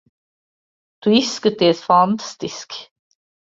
Tu izskaties fantastiski.